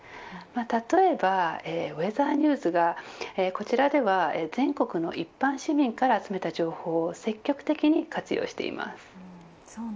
例えばウェザーニューズがこちらでは全国の一般市民から集めた情報を積極的に活用しています。